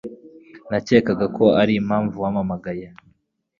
Nakekaga ko ariyo mpamvu wampamagaye.